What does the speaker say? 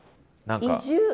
移住。